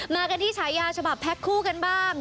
มากันที่ฉายาฉบับแพ็คคู่กันบ้าง